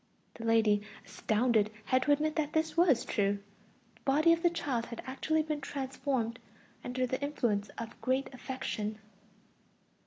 The lady, astounded, had to admit that this was true; the body of the child had actually been transformed under the influence of a great affection.